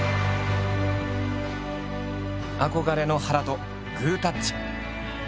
憧れの原とグータッチ。